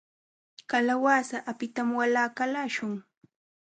Kalawasa apitam wala qalaśhun.